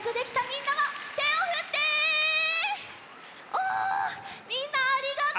おみんなありがとう！